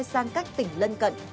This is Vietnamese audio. sang các tỉnh lân cận